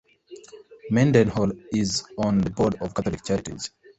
Mendenhall is on the board of Catholic charities.